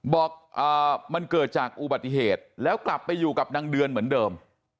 บอกมันเกิดจากอุบัติเหตุแล้วกลับไปอยู่กับนางเดือนเหมือนเดิม